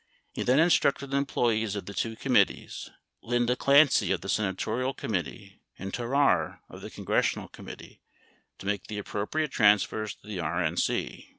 27 He then instructed employees of the two committees, Lynda Clancy of the senatorial com mittee and Terrar of the congressional committee, to make the appro priate transfers to the RNC.